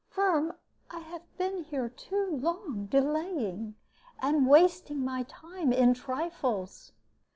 Firm, I have been here too long delaying, and wasting my time in trifles.